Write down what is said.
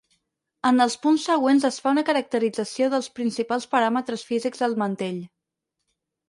En els punts següents es fa una caracterització dels principals paràmetres físics del mantell.